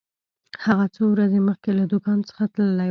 هغه څو ورځې مخکې له دکان څخه تللی و.